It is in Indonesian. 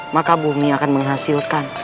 maka bumi akan menghasilkan